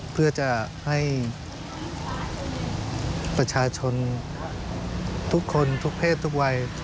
เพื่อจะให้ประชาชนทุกคนทุกเพศทุกวัย